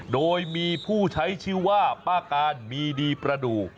โดยมีผู้ใช้ชื่อว่าป้าการมีดีประดูก